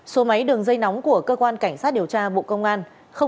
số máy đường dây nóng của cơ quan cảnh sát điều tra bộ công an